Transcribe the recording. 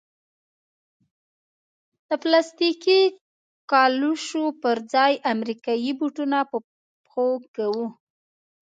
د پلاستیکي کلوشو پر ځای امریکایي بوټونه په پښو کوو.